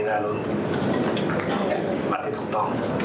และมาให้ถูกต้อง